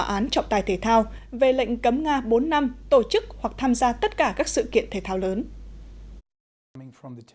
nói về một dự án trọng tài thể thao về lệnh cấm nga bốn năm tổ chức hoặc tham gia tất cả các sự kiện thể thao lớn